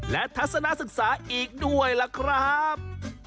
และทัศนศึกษาอีกด้วยล่ะครับ